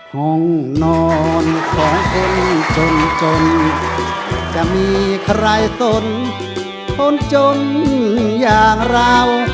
ห้องนอนของคนจนจนจะมีใครสนคนจนอย่างเรา